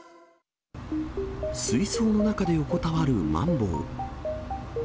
水槽の中で横たわるマンボウ。